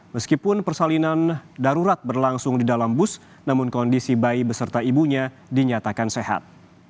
meskipun persalinan darurat berlangsung di dalam bus namun kondisi bayi beserta ibunya dinyatakan sehat